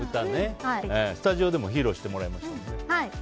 スタジオでも披露してもらいましたね。